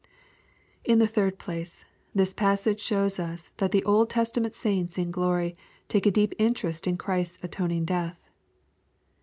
In the third place, this passage shows us that the Old Testament saints in glory take a deep interest in Christ^ a atoning death.